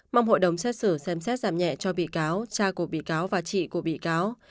mong hội đồng xét xử xem xét giảm nhẹ cho bị cáo cha của bị cáo và chị của bị cáo